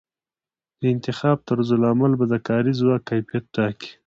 د انتخاب طرزالعمل به د کاري ځواک کیفیت ټاکي.